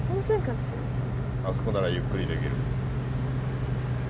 あそこならゆっくりできる。